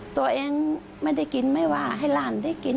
ตัวเองไม่ได้กินไม่ว่าให้หลานได้กิน